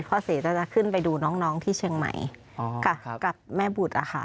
พ่อศรีก็จะขึ้นไปดูน้องที่เชียงใหม่กับแม่บุตรอะค่ะ